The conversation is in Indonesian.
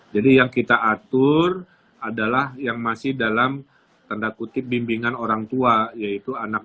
jadi yang kita atur adalah yang masih dalam tanda kutip bimbingan orangtua yaitu anak